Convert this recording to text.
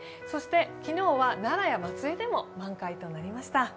そして昨日は、奈良や松江でも満開となりました。